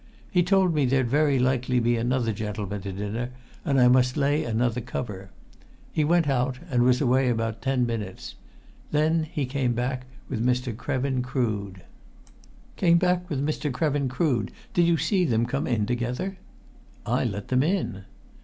He told me there'd very likely be another gentleman to dinner, and I must lay another cover. He went out then, and was away about ten minutes. Then he came back with Mr. Krevin Crood." "Came back with Mr. Krevin Crood. Did you see them come in together?" "I let them in."